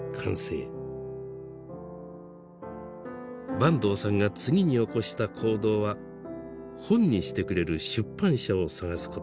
坂東さんが次に起こした行動は本にしてくれる出版社を探すことでした。